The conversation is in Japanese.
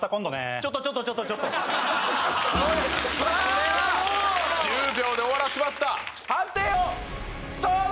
ちょっとちょっとちょっとさあ１０秒で終わらせました判定をどうぞ！